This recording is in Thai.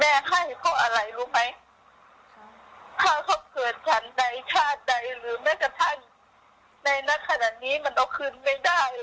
แม่ให้เขานะแม่ให้เขาอะไรรู้ไหม